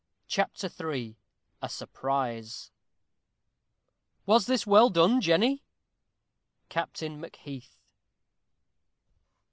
CHAPTER III A SURPRISE Was this well done, Jenny? _Captain Macheath.